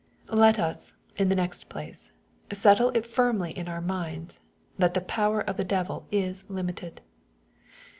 Let us, in the next place, settle it firmly in our minds, that the power of the devil is limited.